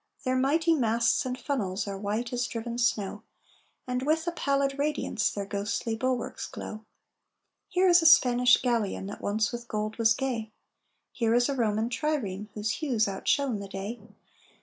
Their mighty masts and funnels Are white as driven snow, And with a pallid radiance Their ghostly bulwarks glow. Here is a Spanish galleon That once with gold was gay, Here is a Roman trireme Whose hues outshone the day.